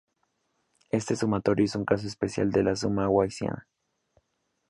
Este sumatorio es un caso especial de la suma gaussiana.